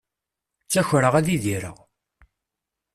Ttakreɣ ad idireɣ.